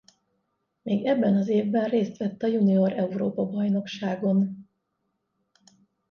Még ebben az évben részt vett a junior Európa-bajnokságon.